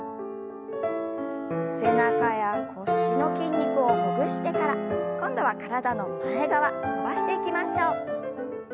背中や腰の筋肉をほぐしてから今度は体の前側伸ばしていきましょう。